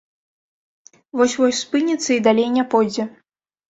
Вось-вось спыніцца і далей не пойдзе.